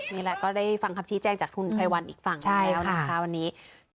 นี่แหละก็ได้ฟังคำชี้แจงจากคุณไพรวัลอีกฝั่งหนึ่งแล้วนะคะวันนี้